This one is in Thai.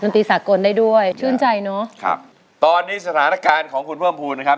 ตีสากลได้ด้วยชื่นใจเนอะครับตอนนี้สถานการณ์ของคุณเพิ่มภูมินะครับ